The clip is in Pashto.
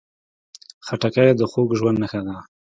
خټکی د خوږ ژوند نښه ده.